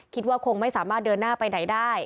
คิดว่าคงไม่สามารถเดินหน้าไปไหนได้